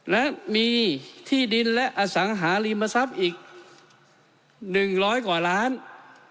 และมีที่ดินและอสังหาริมทรัพย์อีก๑๐๐กว่าล้าน